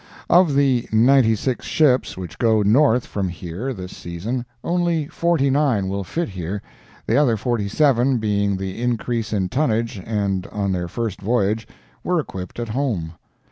Of the ninety six ships which go north from here this season, only forty nine will fit here—the other forty seven, being the increase in tonnage and on their first voyage, were equipped at home.